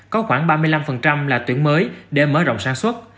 có khoảng ba mươi năm là tuyển mới để mở rộng sản xuất